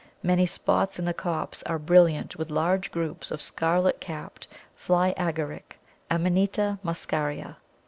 Many spots in the copse are brilliant with large groups of the scarlet capped Fly Agaric (Amanita muscaria).